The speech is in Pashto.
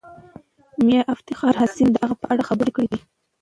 میا افتخار حسین د هغه په اړه خبرې کړې دي.